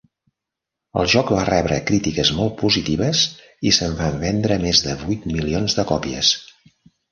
El joc va rebre crítiques molt positives i se'n van vendre més de vuit milions de còpies.